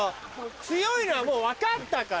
強いのはもう分かったから！